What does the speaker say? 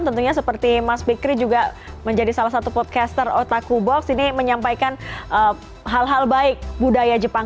tentunya seperti mas fikri juga menjadi salah satu podcaster otaku box ini menyampaikan hal hal baik budaya jepang